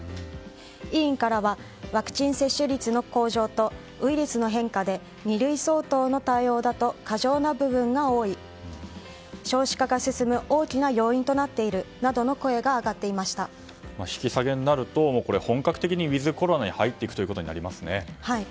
委員からはワクチン接種率の向上とウイルスの変化で二類相当の対応だと過剰な部分が多い少子化が進む大きな要因となっているなどの引き下げになると本格的にウィズコロナに入っていくことになりますね。